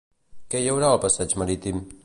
Què hi haurà al passeig marítim?